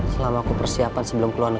selama aku persiapan sebelum keluar